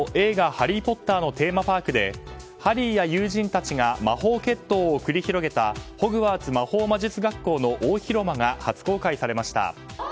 「ハリー・ポッター」のテーマパークでハリーや友人たちが魔法決闘を繰り広げたホグワーツ魔法魔術学校の大広間が初公開されました。